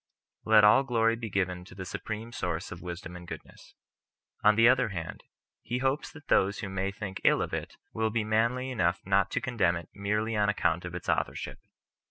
Let all glory be given to the Supreme Source of wisdom and goodness. On the other hand, he hopes that those who may think ill of it will be manly enough not to condemn it merely on account of its authorship.